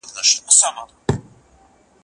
زه پرون مينه څرګنده کړه؟